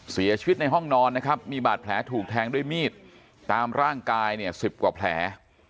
เสียชีวิตในห้องนอนนะครับมีบาดแผลถูกแทงด้วยมีดตามร่างกายเนี่ย๑๐กว่าแผล